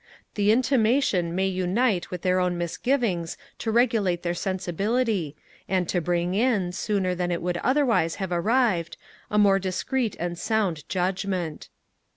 The intimation may unite with their own misgivings to regulate their sensibility, and to bring in, sooner than it would otherwise have arrived, a more discreet and sound judgement.